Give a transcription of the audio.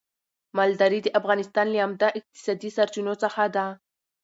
مالداري د افغانستان له عمده اقتصادي سرچينو څخه ده.